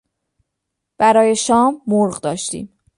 برای شام مرغ داشتیم.